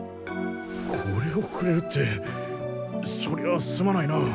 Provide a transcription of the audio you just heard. これをくれるってそりゃすまないな。